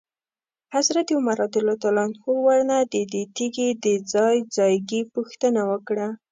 حضرت عمر رضی الله عنه ورنه ددې تیږي د ځای ځایګي پوښتنه وکړه.